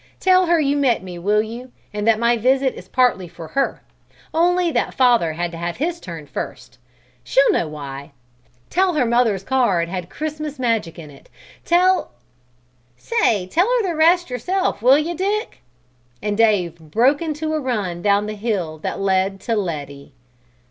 Tell her you met me, will you, and that my visit is partly for her, only that father had to have his turn first. She'll know why. Tell her mother's card had Christmas magic in it, tell " "Say, tell her the rest yourself, will you, Dick?" And Dave broke into a run down the hill road that led to Letty.